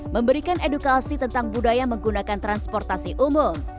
memberikan edukasi tentang budaya menggunakan transportasi umum